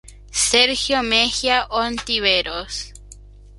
Sergio Mejia Ontiveros.